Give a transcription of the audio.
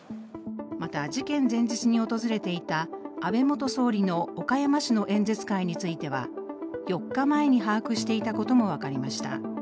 また事件前日に訪れていた安倍元総理の岡山市の演説会については４日前に把握していたことも分かりました。